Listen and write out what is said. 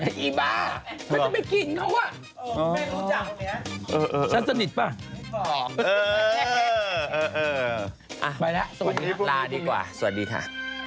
ไอ้บ้าไม่ได้ไปกินเขาอ่ะฉันสนิทป่ะเออไปล่ะสวัสดีค่ะลาดีกว่าสวัสดีค่ะ